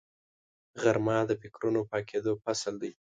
غرمه د فکرونو پاکېدو فصل دی